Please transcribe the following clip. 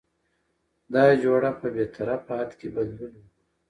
دا جوړه په بې طرفه حد کې بدلون وموند؛